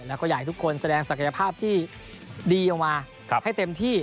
แล้วก็อยากให้ทุกคนแสดงศักยภาพที่ดีออกมาให้เต็มที่